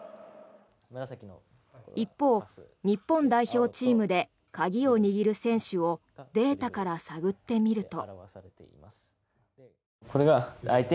一方、日本代表チームで鍵を握る選手をデータから探ってみると。